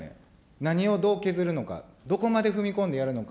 何をどう削るのか、どこまで踏み込んでやるのか。